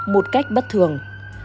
một cách bất thường